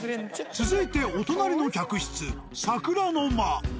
続いてお隣の客室桜の間。